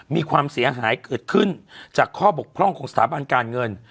มีความเสียหายเกิดขึ้นจากข้อบกพร่องของสถาบันการเงิน